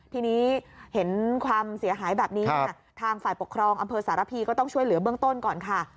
ทีนี้เห็นความเสียหายแบบนี้ทางฝ่ายปกครองอำเภอสารพีก็ต้องช่วยเหลือเบื้องต้นก่อนค่ะ